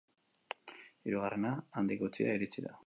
Hirugarrena handik gutxira iritsi da.